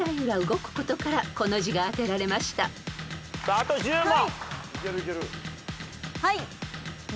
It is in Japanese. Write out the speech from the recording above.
あと１０問。